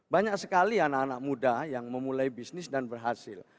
banyak sekali anak anak muda yang memulai bisnis dan berhasil